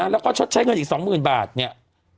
แล้วก็ชดใช้เงินอีก๒๐๐๐บาทเนี่ย